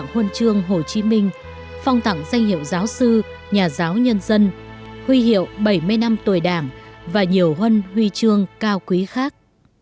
huân chương hồ chí minh phong tặng danh hiệu giáo sư nhà giáo nhân dân huy hiệu bảy mươi năm tuổi đảng và nhiều huân huy chương cao quý khác